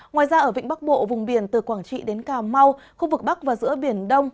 ngoài ra ở vịnh bắc bộ vùng biển từ quảng trị đến cà mau khu vực bắc và giữa biển đông